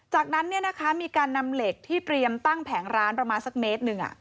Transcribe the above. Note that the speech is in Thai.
จากนั้นมีการนำเหล็กที่เตรียมตั้งแผงร้านประมาณสักเมตรหนึ่ง